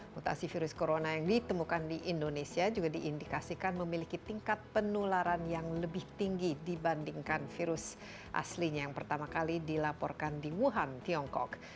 mutasi virus corona yang ditemukan di indonesia juga diindikasikan memiliki tingkat penularan yang lebih tinggi dibandingkan virus aslinya yang pertama kali dilaporkan di wuhan tiongkok